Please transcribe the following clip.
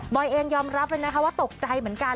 เองยอมรับเลยนะคะว่าตกใจเหมือนกัน